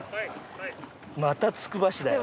またつくば市だよ。